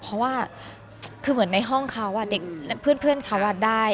เพราะว่าคือเหมือนในห้องเขาเด็กและเพื่อนเขาได้